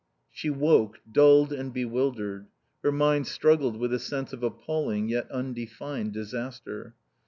She woke dulled and bewildered. Her mind struggled with a sense of appalling yet undefined disaster.